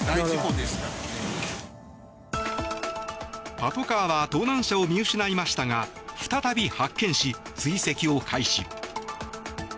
パトカーは盗難車を見失いましたが再び発見し追跡を開始。